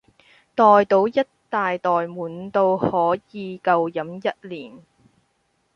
袋到一大袋滿到可以夠飲一年